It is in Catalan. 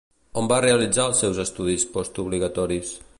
On va realitzar els seus estudis postobligatoris?